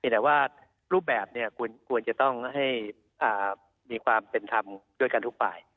แต่ว่ารูปแบบควรจะต้องให้มีความเป็นธรรมด้วยกันทุกฝ่าย